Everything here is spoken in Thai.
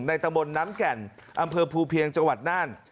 ในตามนน้ำแก่นอำเภอพูพเผียงจังหวัดน้าน